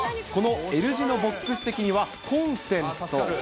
このＬ字のボックス席には、コンセント。